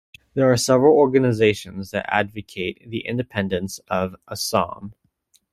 There are several organisations that advocate the independence of Assam.